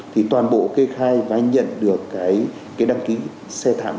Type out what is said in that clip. thì toàn bộ kê khai và anh nhận được cái đăng ký xe thẳng